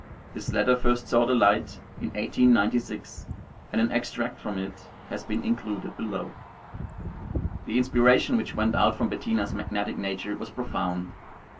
This letter first saw the light in 1896, and an extract from it has been included below. The inspiration which went out from Bettina's magnetic nature was profound.